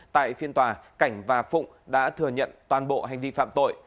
tại phiên tòa cảnh và phụng đã thừa nhận toàn bộ hành vi phạm tội